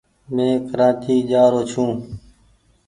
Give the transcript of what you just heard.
مين ڪرآچي جآ رو ڇون۔